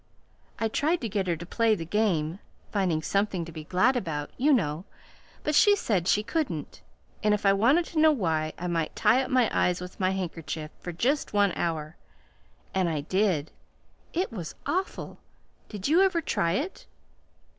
I tried to get her to play the game finding something to be glad about, you know but she said she couldn't; and if I wanted to know why, I might tie up my eyes with my handkerchief for just one hour. And I did. It was awful. Did you ever try it?"